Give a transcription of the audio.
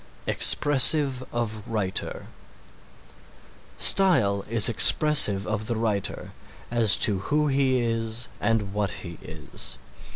EXPRESSIVE OF WRITER Style is expressive of the writer, as to who he is and what he is.